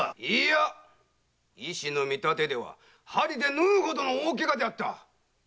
いいや医師の見立てでは針で縫うほどの大ケガであった。